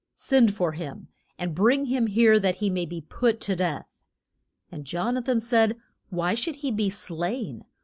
Send for him, and bring him here that he may be put to death. And Jon a than said, Why should he be slain?